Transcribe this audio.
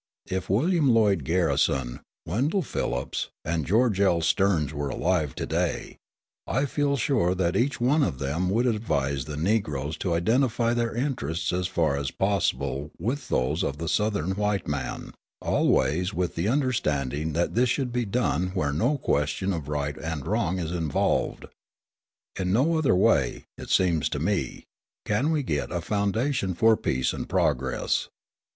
If William Lloyd Garrison, Wendell Phillips, and George L. Stearns were alive to day, I feel sure that each one of them would advise the Negroes to identify their interests as far as possible with those of the Southern white man, always with the understanding that this should be done where no question of right and wrong is involved. In no other way, it seems to me, can we get a foundation for peace and progress.